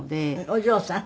お嬢さん？